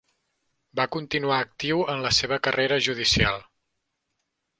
Va continuar actiu en la seva carrera judicial.